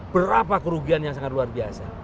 berapa kerugian yang sangat luar biasa